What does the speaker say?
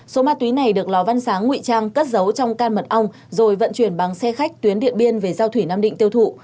số ma túy này được lò văn sáng nguy trang cất giấu trong can mật ong rồi vận chuyển bằng xe khách tuyến điện biên về giao thủy nam định tiêu thụ